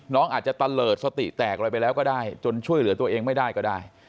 น้องอาจจะตะเลิศสติแตกอะไรไปแล้วก็ได้จนช่วยเหลือตัวเองไม่ได้ก็ได้